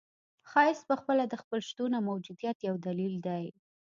ښایست پخپله د خپل شتون او موجودیت یو دلیل دی.